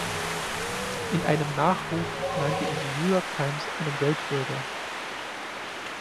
In einem Nachruf nannte ihn die New York Times einen „Weltbürger“.